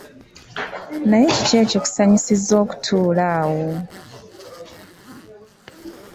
Naye kiki ekikusanyusiza okutuula awo?